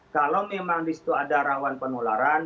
kalau memang di situ ada rawan penularan